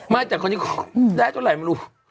ไม่แต่คนนี้ได้เท่าไหร่ไม่รู้